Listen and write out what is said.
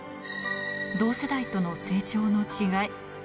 同世代との成長の違い。